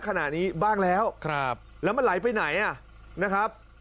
ขณะนี้บ้างแล้วแล้วมันไหลไปไหนอ่ะนะครับ